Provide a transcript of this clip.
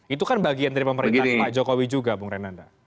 itu kan bagian dari pemerintahan pak jokowi juga bung renanda